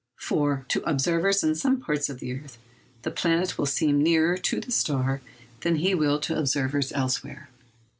For, to observers in some parts of the earth, the planet will seem nearer to the star than he will to observers elsewhere.